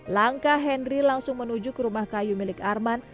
langkah henry langsung menuju ke rumah kayu milik arman